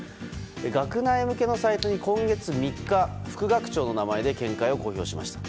学内向けのサイトに今月３日、副学長の名前で見解を公表しました。